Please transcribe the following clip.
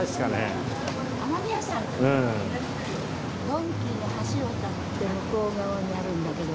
ドンキの橋渡って向こう側にあるんだけど。